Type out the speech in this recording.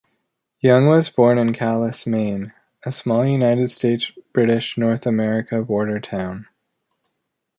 Young was born in Calais, Maine, a small United States-British North America border town.